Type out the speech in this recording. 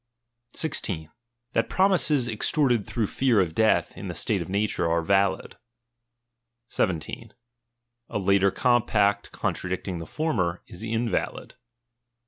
16. That promises extorted through fear of death, in the slate of nature are valid. 17 A later compact contradicting the former, is invalid.